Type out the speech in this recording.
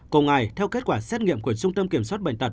cùng ngày theo kết quả xét nghiệm của trung tâm kiểm soát bệnh tật